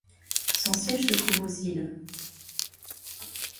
Son siège se trouve aux Ilhes.